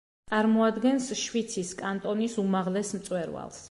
წარმოადგენს შვიცის კანტონის უმაღლეს მწვერვალს.